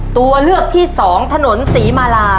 ตัวเลือกที่๒ถนนศรีมระลา